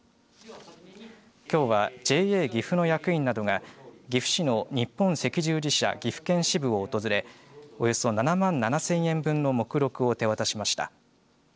きょうはＪＡぎふの役員などが岐阜市の日本赤十字社岐阜県支部を訪れおよそ７万７０００円分の目録を手渡しました。